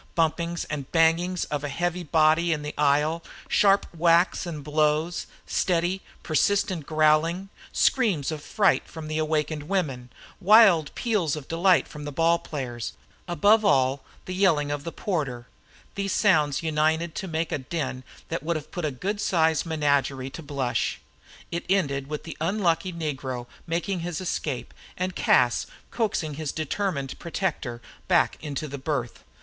Bumpings and bangings of a heavy body in the aisle; sharp whacks and blows; steady, persistent growling; screams of fright from the awakened women; wild peals of delight from the ball players; above all, the yelling of the porter, these sounds united to make a din that would have put a good sized menagerie to the blush. It ended with the unlucky negro making his escape, and Cas coaxing his determined protector back into the berth.